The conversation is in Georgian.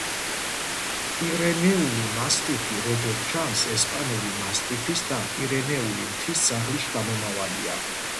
პირენეული მასტიფი, როგორც ჩანს, ესპანური მასტიფის და პირენეული მთის ძაღლის შთამომავალია.